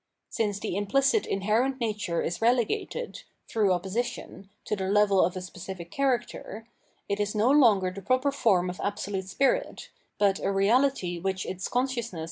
Since the imphcit inherent nature is relegated, through opposition, to the level of a specific character, it is no longer the proper form of Absolute Spirit, but a reality which its conscipusness * Sacred animals in Indian r^li^on, YOl..